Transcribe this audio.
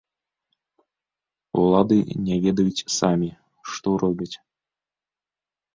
Улады не ведаюць самі, што робяць.